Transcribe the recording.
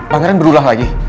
pangeran berulang lagi